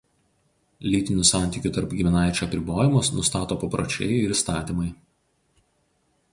Lytinių santykių tarp giminaičių apribojimus nustato papročiai ir įstatymai.